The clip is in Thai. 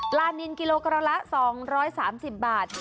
นินกิโลกรัมละ๒๓๐บาท